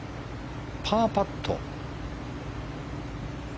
パーパット。